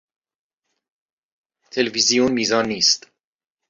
تلویزیون میزان نیست.